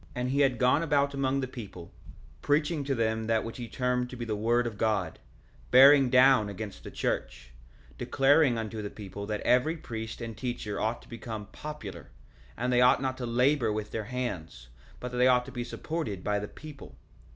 1:3 And he had gone about among the people, preaching to them that which he termed to be the word of God, bearing down against the church; declaring unto the people that every priest and teacher ought to become popular; and they ought not to labor with their hands, but that they ought to be supported by the people.